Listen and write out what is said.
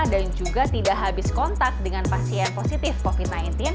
dan juga tidak habis kontak dengan pasien positif covid sembilan belas